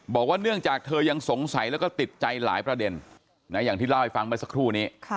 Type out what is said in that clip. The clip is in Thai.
บอกว่าเนื่องจากเธอยังสงสัยแล้วก็ติดใจหลายประเด็นอย่างที่เล่าให้ฟังเมื่อสักครู่นี้